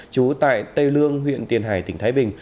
trú tại tây lương huyện tiền hải tỉnh thái bình